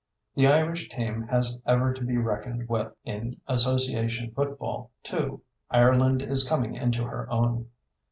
The Irish team has ever to be reckoned with. In Association football, too, Ireland is coming into her own.